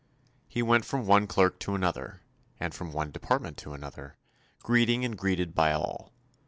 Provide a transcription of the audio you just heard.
He went from one clerk to another, and from one department to another, greeting and greeted by all.